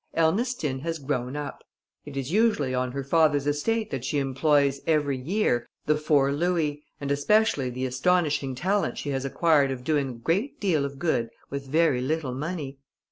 Ernestine has grown up. It is usually on her father's estate that she employs, every year, the four louis, and especially the astonishing talent she has acquired of doing a great deal of good with very little money.